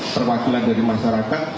perwakilan dari masyarakat